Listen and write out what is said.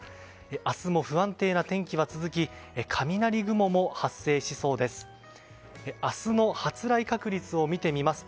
明日も不安定な天気は続き雷雲も発生しそうです。